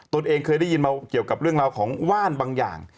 ตัวเองเคยได้ยินมาเกี่ยวกับเรื่องราวของว่านบางอย่าง